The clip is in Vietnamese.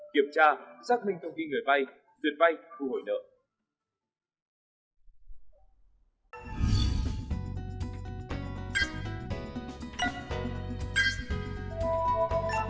kiểm tra xác minh thông tin người vay tuyệt vay thu hồi nợ